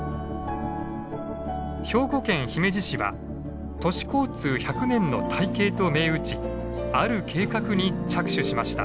兵庫県姫路市は「都市交通百年の大計」と銘打ちある計画に着手しました。